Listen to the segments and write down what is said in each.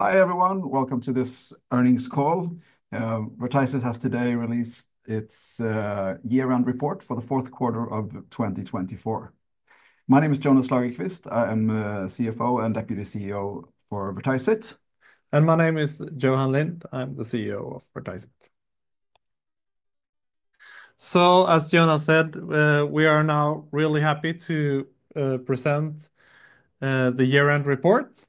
Hi everyone, welcome to this earnings call. Vertiseit has today released its year-end report for the fourth quarter of 2024. My name is Jonas Lagerqvist, I am CFO and Deputy CEO for Vertiseit. My name is Johan Lind, I'm the CEO of Vertiseit. As Jonas said, we are now really happy to present the year-end report.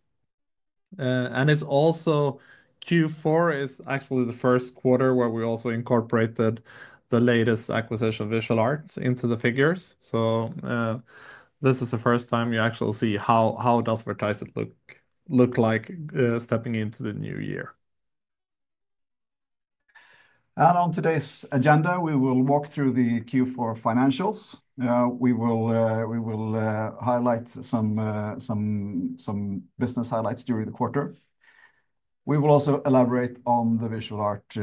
It's also Q4, it's actually the first quarter where we also incorporated the latest acquisition of Visual Art into the figures. This is the first time you actually see how does Vertiseit look like stepping into the new year. On today's agenda, we will walk through the Q4 financials. We will highlight some business highlights during the quarter. We will also elaborate on the Visual Art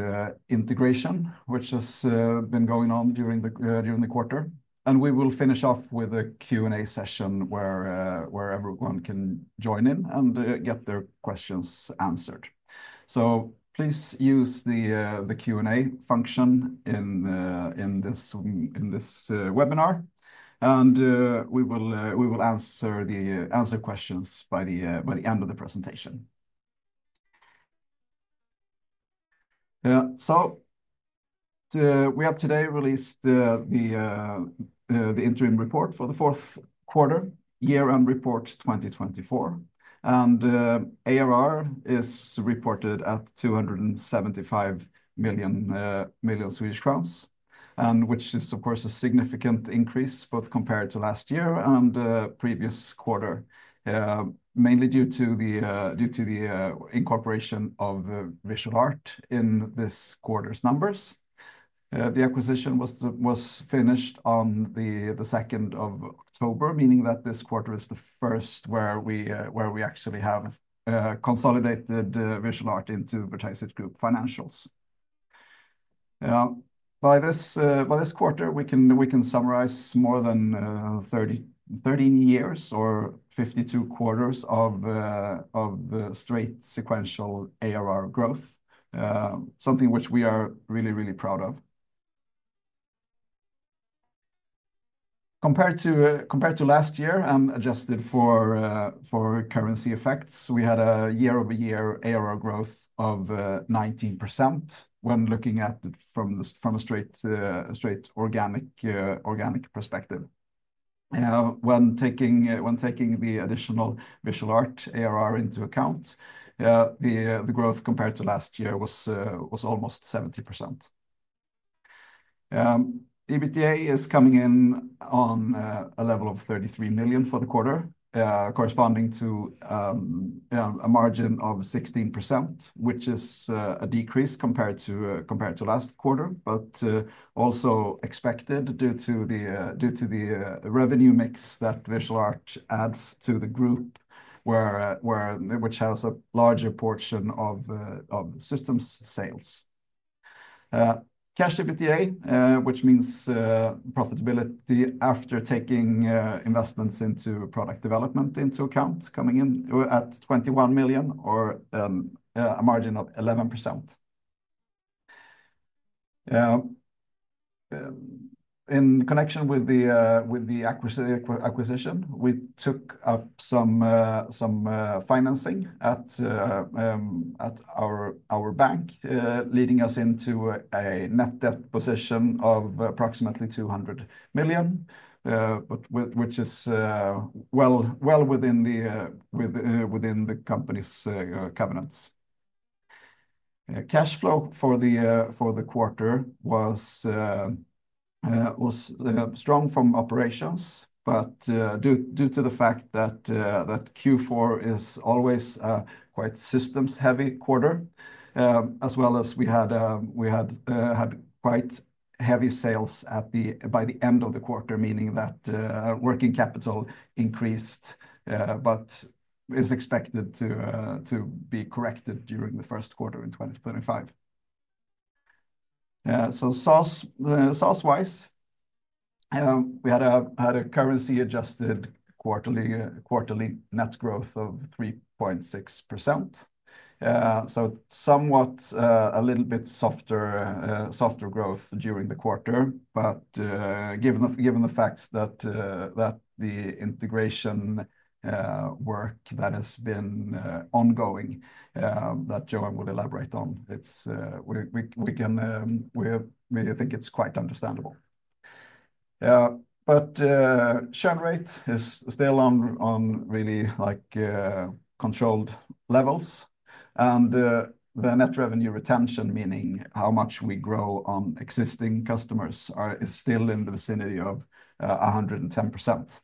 integration, which has been going on during the quarter. We will finish off with a Q&A session where everyone can join in and get their questions answered. Please use the Q&A function in this webinar. We will answer the questions by the end of the presentation. We have today released the interim report for the fourth quarter, year-end report 2024. ARR is reported at 275 million, which is of course a significant increase both compared to last year and the previous quarter, mainly due to the incorporation of Visual Art in this quarter's numbers. The acquisition was finished on the second of October, meaning that this quarter is the first where we actually have consolidated Visual Art into Vertiseit Group financials. By this quarter, we can summarize more than 13 years or 52 quarters of straight sequential ARR growth, something which we are really, really proud of. Compared to last year, and adjusted for currency effects, we had a year-over-year ARR growth of 19% when looking at it from a straight organic perspective. When taking the additional Visual Art ARR into account, the growth compared to last year was almost 70%. EBITDA is coming in on a level of 33 million for the quarter, corresponding to a margin of 16%, which is a decrease compared to last quarter, but also expected due to the revenue mix that Visual Art adds to the group, which has a larger portion of systems sales. Cash EBITDA, which means profitability after taking investments into product development into account, coming in at 21 million or a margin of 11%. In connection with the acquisition, we took up some financing at our bank, leading us into a net debt position of approximately 200 million, which is well within the company's covenants. Cash flow for the quarter was strong from operations, but due to the fact that Q4 is always a quite systems-heavy quarter, as well as we had quite heavy sales by the end of the quarter, meaning that working capital increased, but is expected to be corrected during the first quarter in 2025. SaaS-wise, we had a currency-adjusted quarterly net growth of 3.6%. Somewhat a little bit softer growth during the quarter, but given the fact that the integration work that has been ongoing, that Johan would elaborate on, we think it's quite understandable. Churn rate is still on really controlled levels. The net revenue retention, meaning how much we grow on existing customers, is still in the vicinity of 110%.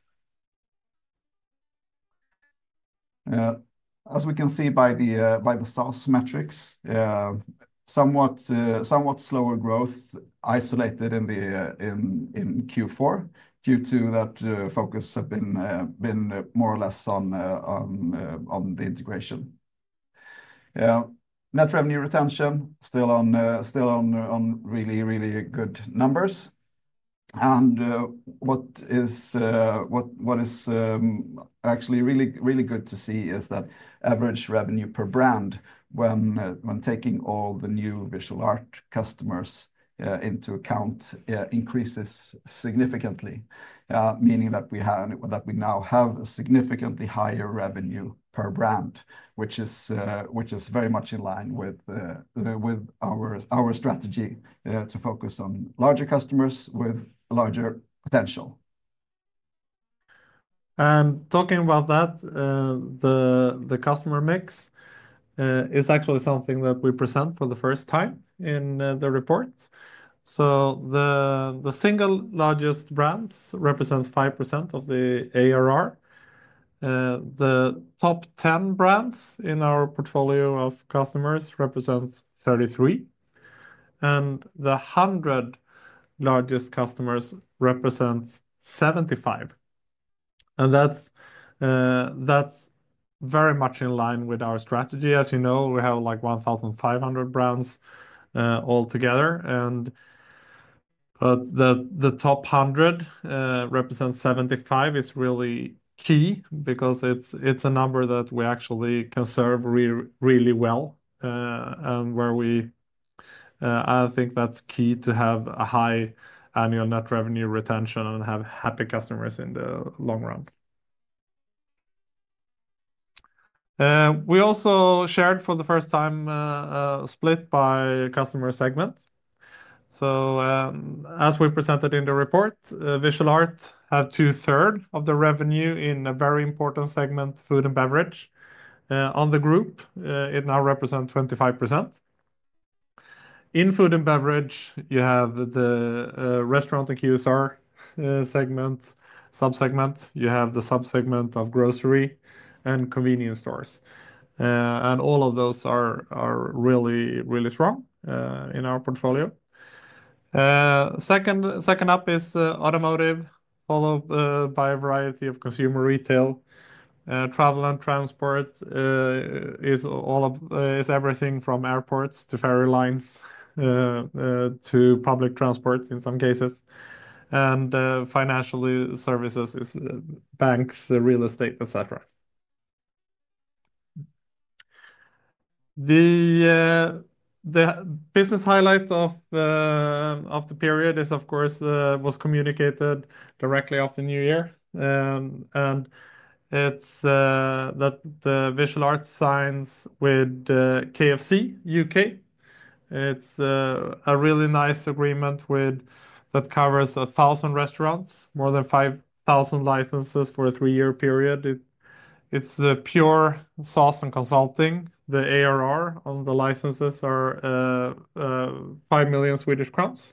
As we can see by the SaaS metrics, somewhat slower growth isolated in Q4 due to that focus has been more or less on the integration. Net revenue retention still on really, really good numbers. What is actually really good to see is that average revenue per brand when taking all the new Visual Art customers into account increases significantly, meaning that we now have a significantly higher revenue per brand, which is very much in line with our strategy to focus on larger customers with larger potential. Talking about that, the customer mix is actually something that we present for the first time in the report. The single largest brands represent 5% of the ARR. The top 10 brands in our portfolio of customers represent 33%. The 100 largest customers represent 75%. That is very much in line with our strategy. As you know, we have like 1,500 brands altogether. The top 100 represents 75% and is really key because it is a number that we actually conserve really well. I think that is key to have a high annual net revenue retention and have happy customers in the long run. We also shared for the first time split by customer segment. As we presented in the report, Visual Art has two-thirds of the revenue in a very important segment, Food and Beverage. On the group, it now represents 25%. In Food and Beverage, you have the restaurant and QSR segment, subsegment, you have the subsegment of grocery and convenience stores. All of those are really strong in our portfolio. Second up is Automotive, followed by a variety of Consumer Retail. Travel and Transport is everything from airports to ferry lines to public transport in some cases. Financial Services is banks, real estate, etc. The business highlight of the period is, of course, was communicated directly after New Year. It is that Visual Art signs with KFC UK It is a really nice agreement that covers 1,000 restaurants, more than 5,000 licenses for a three-year period. It is pure SaaS and consulting. The ARR on the licenses are 5 million Swedish crowns.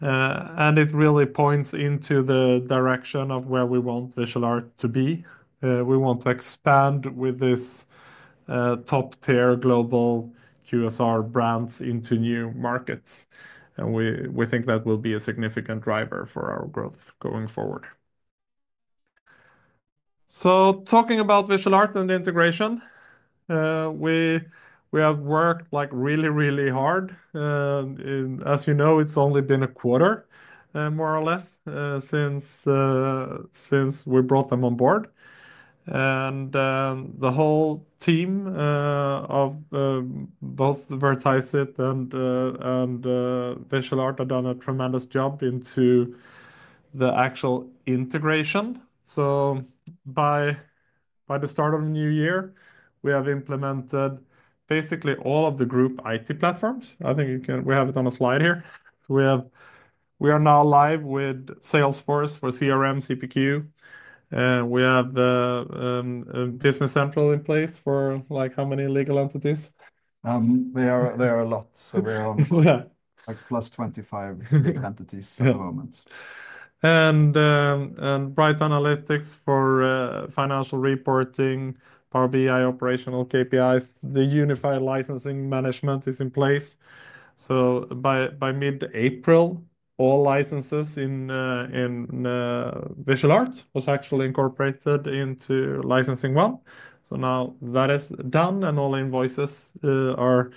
It really points into the direction of where we want Visual Art to be. We want to expand with these top-tier global QSR brands into new markets. We think that will be a significant driver for our growth going forward. Talking about Visual Art and integration, we have worked really, really hard. As you know, it has only been a quarter, more or less, since we brought them on board. The whole team of both Vertiseit and Visual Art have done a tremendous job in the actual integration. By the start of the new year, we have implemented basically all of the group IT platforms. I think we have it on a slide here. We are now live with Salesforce for CRM, CPQ. We have Business Central in place for how many legal entities? There are a lot. We're on like plus 25 big entities at the moment. BrightAnalytics for financial reporting, Power BI operational KPIs, the unified licensing management is in place. By mid-April, all licenses in Visual Art were actually incorporated into LicensingOne. That is done and all invoices are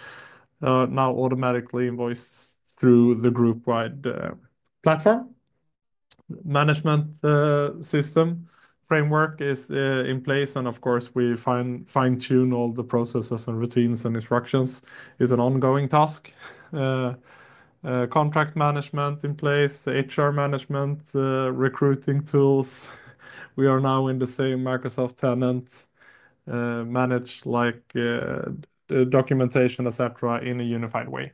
now automatically invoiced through the group-wide platform. Management system framework is in place and of course we fine-tune all the processes and routines and instructions is an ongoing task. Contract management in place, HR management, recruiting tools. We are now in the same Microsoft tenant managed documentation, etc. in a unified way.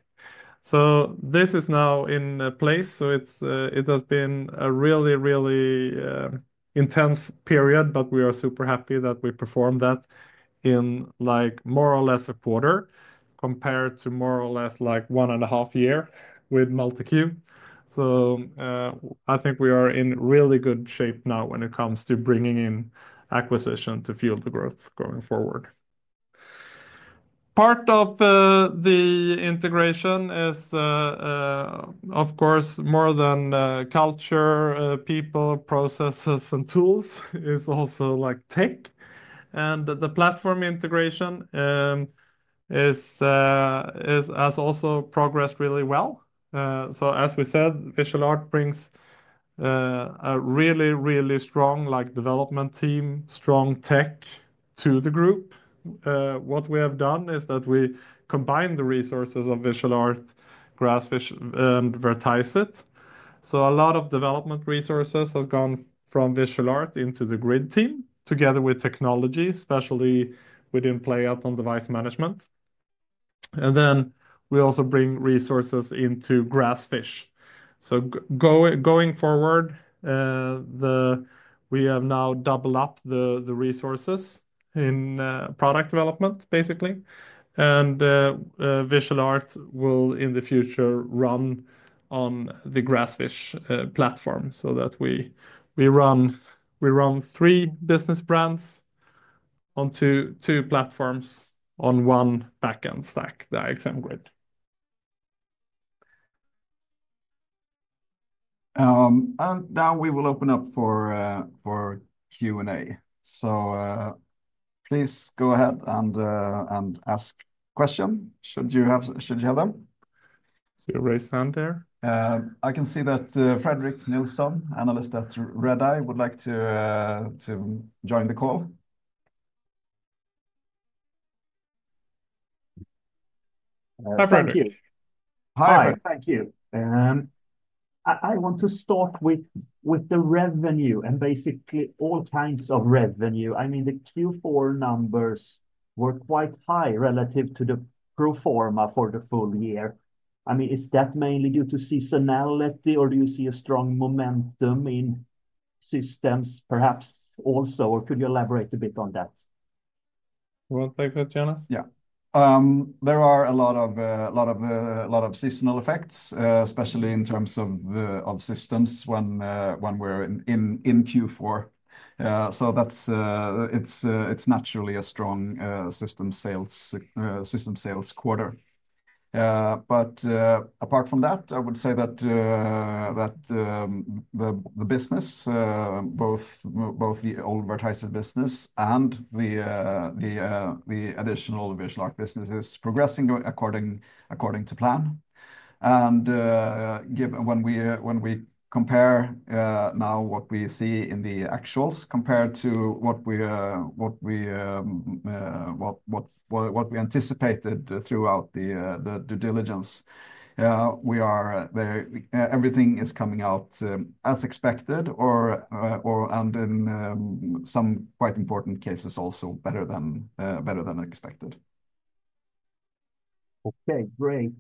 This is now in place. It has been a really, really intense period, but we are super happy that we performed that in more or less a quarter compared to more or less one and a half year with MultiQ. I think we are in really good shape now when it comes to bringing in acquisition to fuel the growth going forward. Part of the integration is, of course, more than culture, people, processes, and tools. It is also like tech. The platform integration has also progressed really well. As we said, Visual Art brings a really, really strong development team, strong tech to the group. What we have done is that we combined the resources of Visual Art, Grassfish, and Vertiseit. A lot of development resources have gone from Visual Art into the Grid team together with technology, especially within playout and device management. We also bring resources into Grassfish. Going forward, we have now doubled up the resources in product development, basically. Visual Art will in the future run on the Grassfish platform so that we run three business brands on two platforms on one backend stack, the IXM Grid. We will now open up for Q&A. Please go ahead and ask questions should you have them. See a raised hand there? I can see that Fredrik Nilsson, analyst at Redeye, would like to join the call. Hi, I'm Fredrik. Hi, Fredrik. Thank you. I want to start with the revenue and basically all kinds of revenue. I mean, the Q4 numbers were quite high relative to the pro forma for the full year. I mean, is that mainly due to seasonality or do you see a strong momentum in systems perhaps also? Or could you elaborate a bit on that? Thanks for that, Jonas. Yeah. There are a lot of seasonal effects, especially in terms of systems when we're in Q4. It is naturally a strong systems sales quarter. Apart from that, I would say that the business, both the old Vertiseit business and the additional Visual Art business, is progressing according to plan. When we compare now what we see in the actuals compared to what we anticipated throughout the due diligence, everything is coming out as expected and in some quite important cases also better than expected. Okay, great.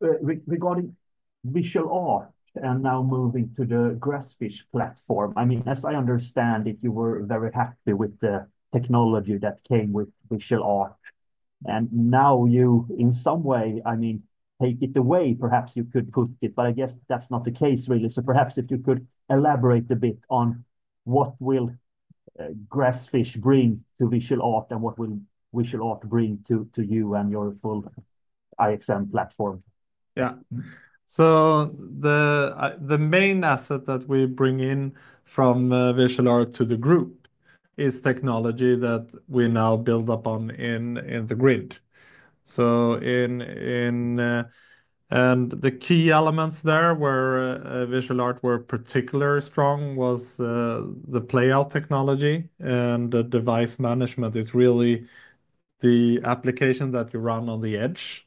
Regarding Visual Art and now moving to the Grassfish platform, I mean, as I understand it, you were very happy with the technology that came with Visual Art. Now you, in some way, I mean, take it away, perhaps you could put it, but I guess that's not the case really. Perhaps if you could elaborate a bit on what will Grassfish bring to Visual Art and what will Visual Art bring to you and your full IXM platform. Yeah. The main asset that we bring in from Visual Art to the group is technology that we now build upon in the Grid. The key elements there where Visual Art was particularly strong were the playout technology and the device management, which is really the application that you run on the edge.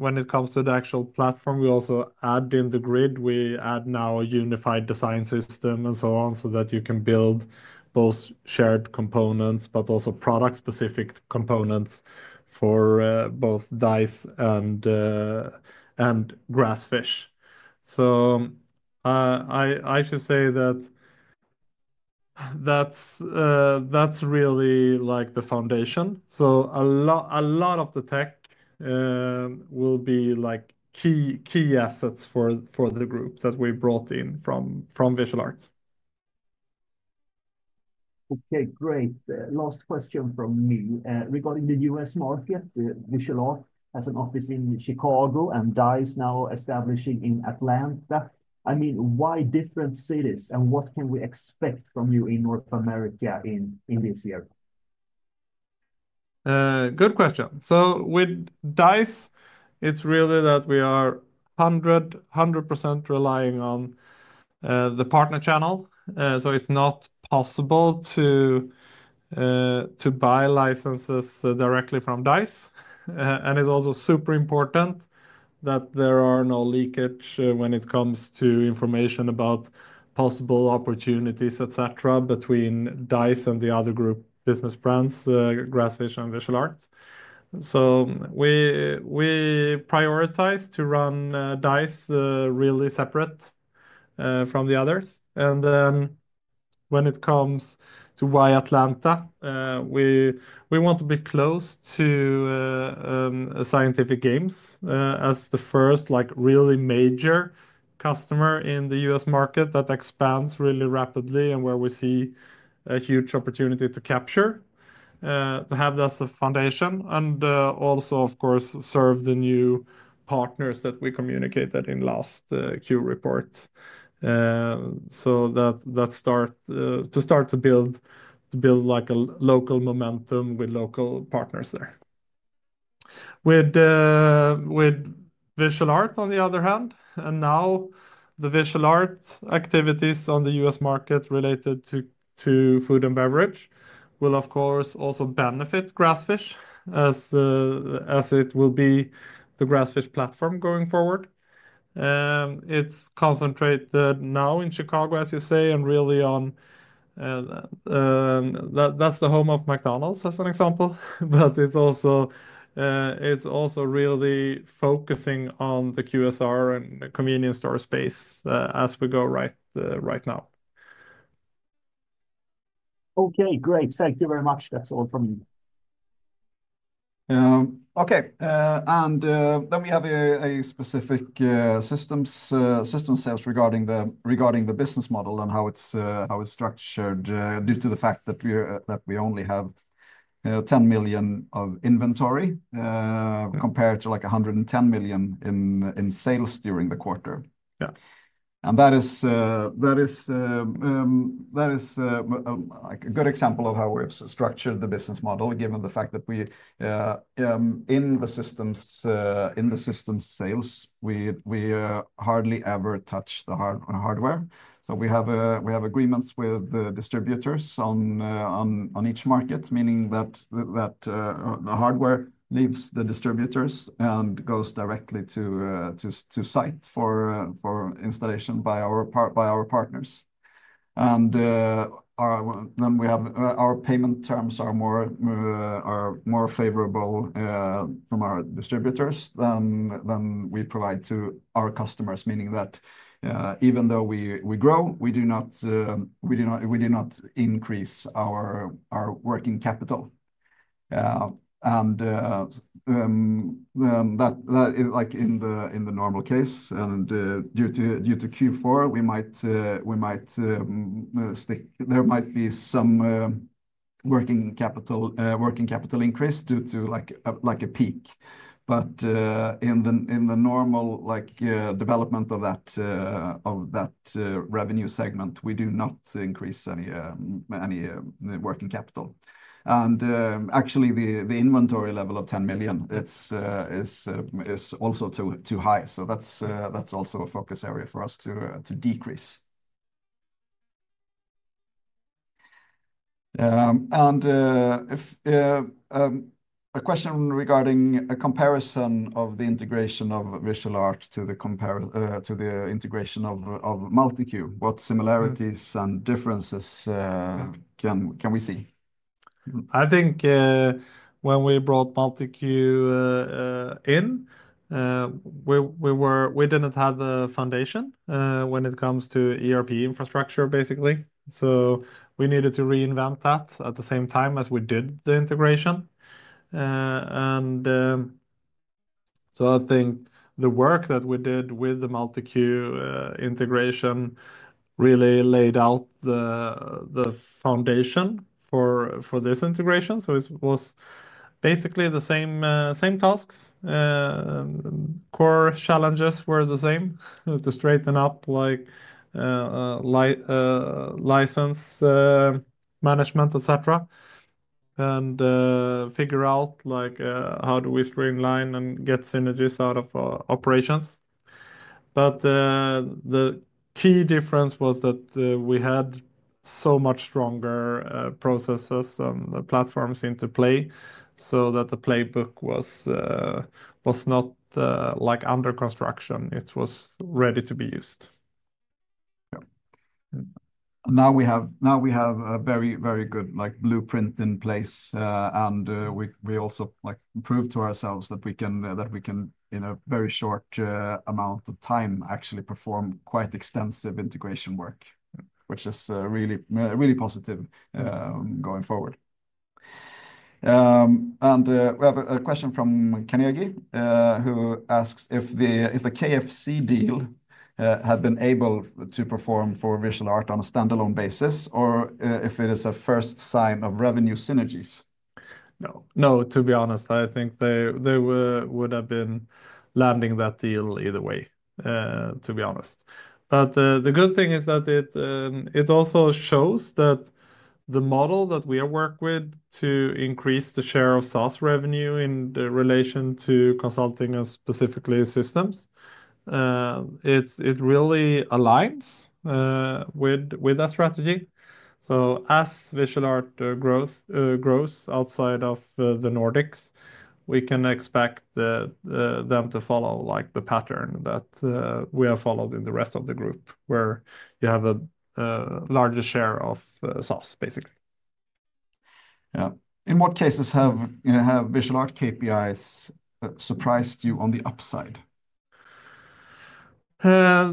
When it comes to the actual platform, we also add in the Grid, we add now a unified design system and so on so that you can build both shared components, but also product-specific components for both Dise and Grassfish. I should say that that's really like the foundation. A lot of the tech will be key assets for the group that we brought in from Visual Art. Okay, great. Last question from me. Regarding the US market, Visual Art has an office in Chicago and Dise now establishing in Atlanta. I mean, why different cities and what can we expect from you in North America in this year? Good question. With Dise, it's really that we are 100% relying on the partner channel. It's not possible to buy licenses directly from Dise. It's also super important that there is no leakage when it comes to information about possible opportunities, etc., between Dise and the other group business brands, Grassfish and Visual Art. We prioritize to run Dise really separate from the others. When it comes to why Atlanta, we want to be close to Scientific Games as the first really major customer in the US market that expands really rapidly and where we see a huge opportunity to capture, to have that as a foundation and also, of course, serve the new partners that we communicated in last Q report. That is to start to build like a local momentum with local partners there. With Visual Art, on the other hand, and now the Visual Art activities on the US market related to Food and Beverage will, of course, also benefit Grassfish as it will be the Grassfish platform going forward. It's concentrated now in Chicago, as you say, and really on that's the home of McDonald's, as an example, but it's also really focusing on the QSR and convenience store space as we go right now. Okay, great. Thank you very much. That's all from me. Okay. We have a specific systems sales regarding the business model and how it's structured due to the fact that we only have 10 million of inventory compared to like 110 million in sales during the quarter. That is a good example of how we've structured the business model given the fact that in the systems sales, we hardly ever touch the hardware. We have agreements with the distributors on each market, meaning that the hardware leaves the distributors and goes directly to site for installation by our partners. We have our payment terms are more favorable from our distributors than we provide to our customers, meaning that even though we grow, we do not increase our working capital. That is like in the normal case. Due to Q4, we might stick, there might be some working capital increase due to like a peak. In the normal development of that revenue segment, we do not increase any working capital. Actually, the inventory level of 10 million is also too high, so that is also a focus area for us to decrease. A question regarding a comparison of the integration of Visual Art to the integration of MultiQ, what similarities and differences can we see? I think when we brought MultiQ in, we didn't have the foundation when it comes to ERP infrastructure, basically. We needed to reinvent that at the same time as we did the integration. I think the work that we did with the MultiQ integration really laid out the foundation for this integration. It was basically the same tasks. Core challenges were the same to straighten up like license management, etc., and figure out how do we streamline and get synergies out of operations. The key difference was that we had so much stronger processes and platforms into play so that the playbook was not like under construction. It was ready to be used. Now we have a very, very good blueprint in place. We also proved to ourselves that we can, in a very short amount of time, actually perform quite extensive integration work, which is really positive going forward. We have a question from Carnegie who asks if the KFC deal had been able to perform for Visual Art on a standalone basis or if it is a first sign of revenue synergies. No, no, to be honest, I think they would have been landing that deal either way, to be honest. The good thing is that it also shows that the model that we have worked with to increase the share of SaaS revenue in relation to consulting and specifically systems, it really aligns with that strategy. As Visual Art grows outside of the Nordics, we can expect them to follow the pattern that we have followed in the rest of the group where you have a larger share of SaaS, basically. Yeah. In what cases have Visual Art's KPIs surprised you on the upside?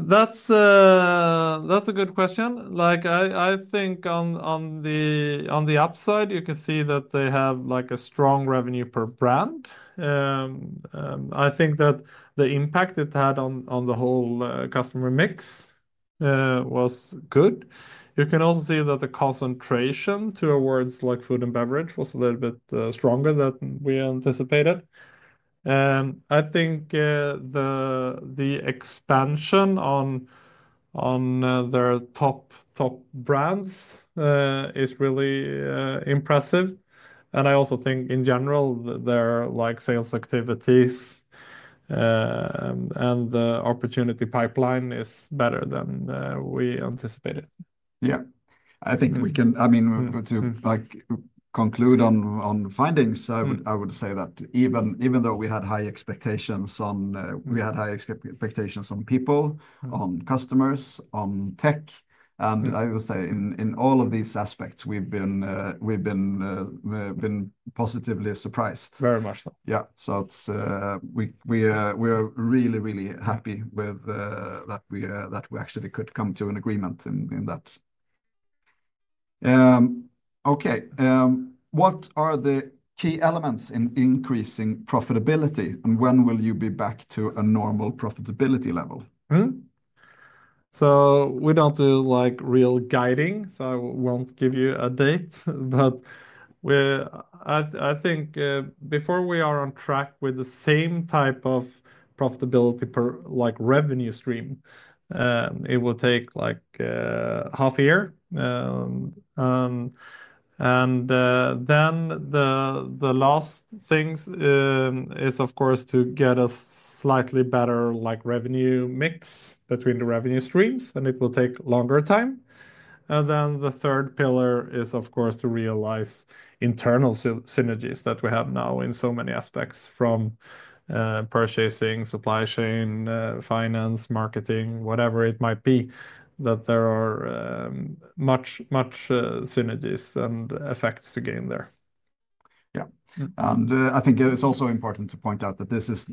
That's a good question. I think on the upside, you can see that they have a strong revenue per brand. I think that the impact it had on the whole customer mix was good. You can also see that the concentration towards Food and Beverage was a little bit stronger than we anticipated. I think the expansion on their top brands is really impressive. I also think in general, their sales activities and the opportunity pipeline is better than we anticipated. Yeah. I think we can, I mean, to conclude on findings, I would say that even though we had high expectations on people, on customers, on tech, and I would say in all of these aspects, we've been positively surprised. Very much so. Yeah. We are really, really happy that we actually could come to an agreement in that. Okay. What are the key elements in increasing profitability and when will you be back to a normal profitability level? We do not do real guiding, so I will not give you a date. I think before we are on track with the same type of profitability revenue stream, it will take like half a year. The last thing is, of course, to get a slightly better revenue mix between the revenue streams, and it will take longer time. The third pillar is, of course, to realize internal synergies that we have now in so many aspects from purchasing, supply chain, finance, marketing, whatever it might be, that there are much synergies and effects to gain there. Yeah. I think it's also important to point out that this is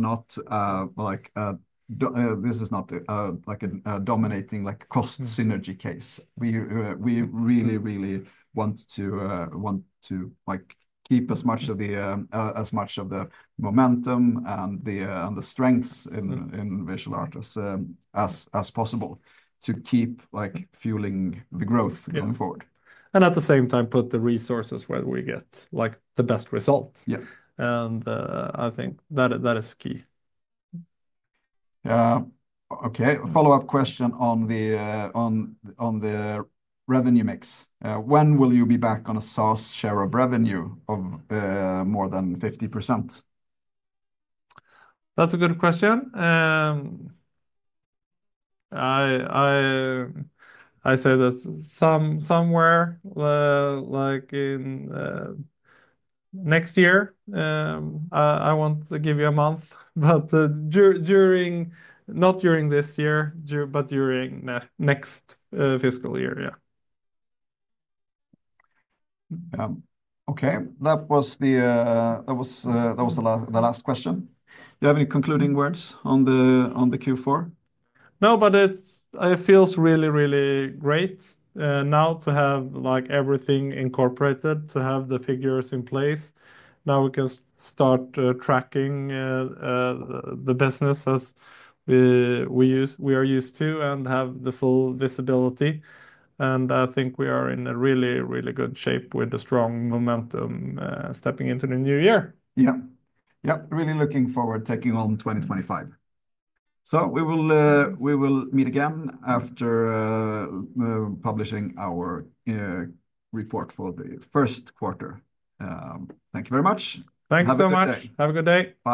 not like a dominating cost synergy case. We really, really want to keep as much of the momentum and the strengths in Visual Art as possible to keep fueling the growth going forward. At the same time, put the resources where we get the best result. I think that is key. Yeah. Okay. Follow-up question on the revenue mix. When will you be back on a SaaS share of revenue of more than 50%? That's a good question. I say that somewhere like in next year. I won't give you a month, but not during this year, but during next fiscal year, yeah. Okay. That was the last question. Do you have any concluding words on the Q4? No, but it feels really, really great now to have everything incorporated, to have the figures in place. Now we can start tracking the business as we are used to and have the full visibility. I think we are in a really, really good shape with the strong momentum stepping into the new year. Yeah. Yeah. Really looking forward to taking on 2025. We will meet again after publishing our report for the first quarter. Thank you very much. Thanks so much. Have a good day.